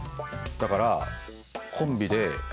だからあ！